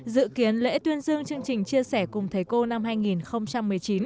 dự kiến lễ tuyên dương chương trình chia sẻ cùng thầy cô năm hai nghìn một mươi chín